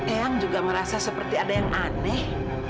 eyang juga merasa seperti ada yang aneh